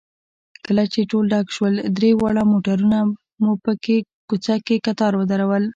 کله چې ټول ډک شول، درې واړه موټرونه مو په کوڅه کې کتار ودرول.